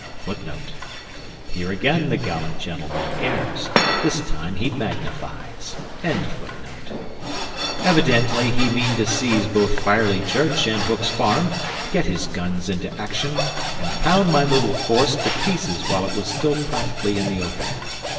[Footnote: Here again the gallant gentleman errs; this time he magnifies.] Evidently he meant to seize both Firely Church and Hook's Farm, get his guns into action, and pound my little force to pieces while it was still practically in the open.